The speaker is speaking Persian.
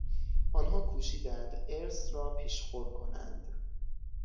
آنها کوشیدند ارث را پیشخور کنند.